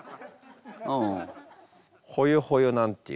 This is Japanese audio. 「ほよほよ」なんていうね